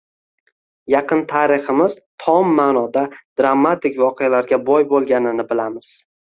Yaqin tariximiz tom ma’noda dramatik voqealarga boy bo‘lganini bilamiz.